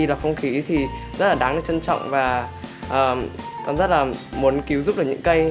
và không khí thì rất là đáng được trân trọng và con rất là muốn cứu giúp được những cây